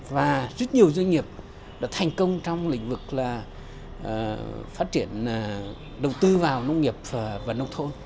và rất nhiều doanh nghiệp đã thành công trong lĩnh vực là phát triển đầu tư vào nông nghiệp và nông thôn